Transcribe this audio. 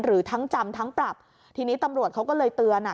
หรือทั้งจำทั้งปรับทีนี้ตำรวจเขาก็เลยเตือนอ่ะ